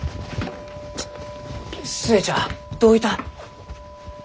寿恵ちゃんどういた？